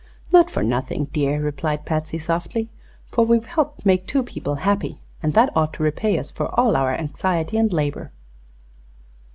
"Not for nothing, dear," replied Patsy, softly, "for we've helped make two people happy, and that ought to repay us for all our anxiety and labor."